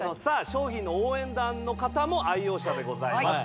商品の応援団の方も愛用者でございます